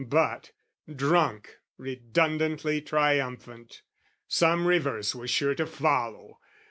But, drunk, Redundantly triumphant, some reverse Was sure to follow!